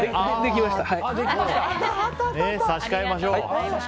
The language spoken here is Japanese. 差し替えましょう。